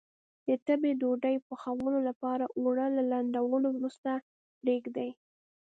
د تبۍ ډوډۍ پخولو لپاره اوړه له لندولو وروسته پرېږدي.